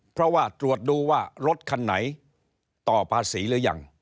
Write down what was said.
เพราะว่าตรวจดูว่ารถคันไหนต่อภาษีหรือยัง